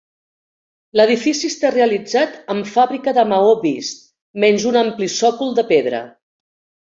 L'edifici està realitzat amb fàbrica de maó vist, menys un ampli sòcol de pedra.